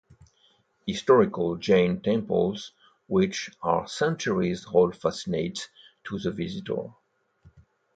Historical Jain temples which are centuries old fascinate to the visitors.